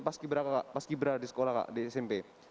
pas kibra di sekolah kak di smp